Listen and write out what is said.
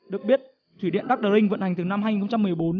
được biết thủy điện đắc đa rinh vận hành từ năm hai nghìn một mươi bốn